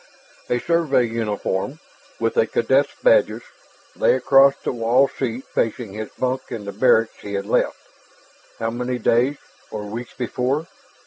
A Survey uniform with a cadet's badges lay across the wall seat facing his bunk in the barracks he had left ... how many days or weeks before?